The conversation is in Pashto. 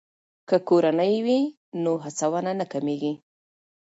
که کورنۍ وي نو هڅونه نه کمیږي.